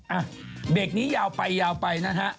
อ่ะเบรกนี้ยาวไปยาวไปนะฮะ